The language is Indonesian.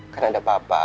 kan ada papa